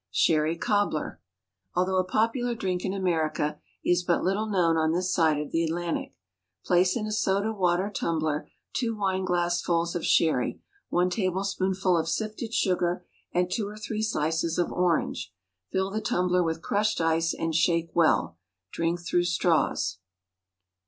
Sherry Cobbler although a popular drink in America, is but little known on this side of the Atlantic. Place in a soda water tumbler two wine glassfuls of sherry, one tablespoonful of sifted sugar, and two or three slices of orange. Fill the tumbler with crushed ice, and shake well. Drink through straws.